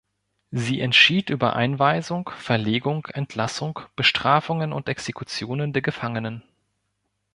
Sie entschied über Einweisung, Verlegung, Entlassung, Bestrafungen und Exekutionen der Gefangenen.